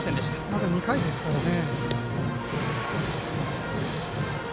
まだ２回ですからね。